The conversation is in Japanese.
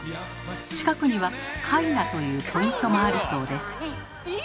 近くには「ＫＡＩＮＡ」というポイントもあるそうです。